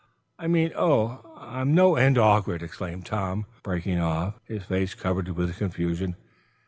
"I mean oh, I'm no end awkward," exclaimed Tom, breaking off, his face covered with confusion.